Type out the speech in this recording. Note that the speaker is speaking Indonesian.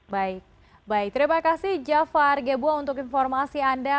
baik baik terima kasih jafar gebuang untuk informasi anda